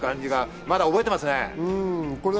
まだ覚えています。